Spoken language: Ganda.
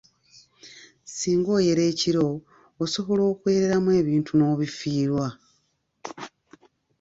Singa oyera ekiro osobola okwereramu ebintu n'obifiirwa.